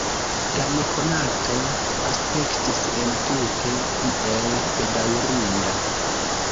La nekonato aspektis entute iel bedaŭrinda.